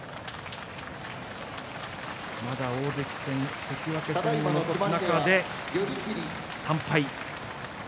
まだ大関戦、関脇戦残す中で３敗。